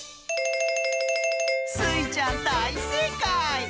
スイちゃんだいせいかい！